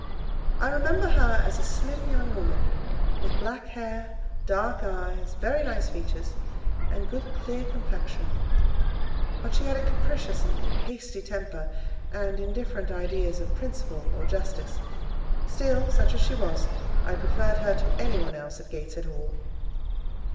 I remember her as a slim young woman, with black hair, dark eyes, very nice features, and good, clear complexion; but she had a capricious and hasty temper, and indifferent ideas of principle or justice: still, such as she was, I preferred her to any one else at Gateshead Hall.